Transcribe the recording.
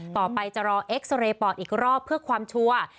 ต่อไปจะรอเอ็กซาเรย์ปอดอีกรอบเพื่อความชัวร์